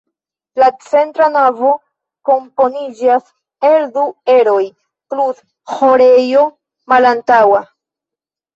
La centra navo komponiĝas el du eroj, plus ĥorejo malantaŭa.